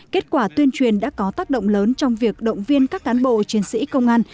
kết quả tuyên truyền đã có tác động lớn trong việc động viên các cán bộ chiến sĩ công an